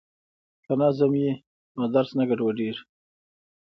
که نظم وي نو درس نه ګډوډیږي.